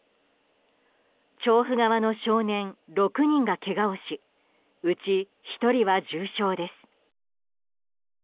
調布側の少年６人がけがをしうち１人は重傷です。